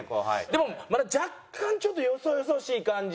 でもまだ若干ちょっとよそよそしい感じ。